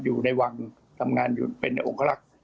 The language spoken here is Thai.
อยู่ในวังทำงานอยู่เป็นองคลักษณ